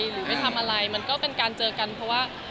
หรือไม่ทำอะไรมันก็เป็นการเจอกันเพราะว่า